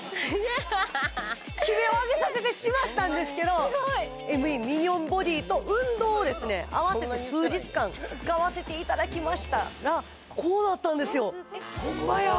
悲鳴を上げさせてしまったんですけどＭＥミニョンボディと運動を合わせて数日間使わせていただきましたらこうなったんですよホンマや！